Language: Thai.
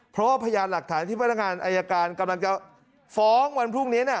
เพราะว่าพยานหลักฐานที่พนักงานอายการกำลังจะฟ้องวันพรุ่งนี้